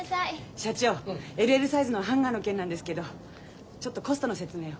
社長ＬＬサイズのハンガーの件なんですけどちょっとコストの説明を。